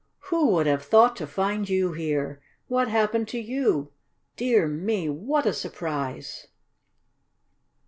Who would have thought to find you here? What happened to you? Dear me, what a surprise!"